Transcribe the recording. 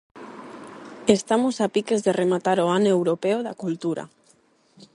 Estamos a piques de rematar o Ano Europeo da Cultura.